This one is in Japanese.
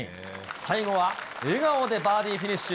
最後は笑顔でバーディーフィニッシュ。